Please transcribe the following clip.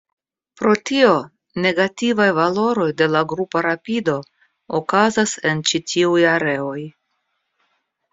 Pro tio, negativaj valoroj de la grupa rapido okazas en ĉi tiuj areoj.